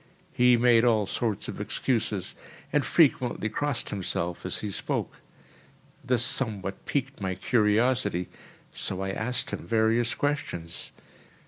He made all sorts of excuses, and frequently crossed himself as he spoke. This somewhat piqued my curiosity, so I asked him various questions.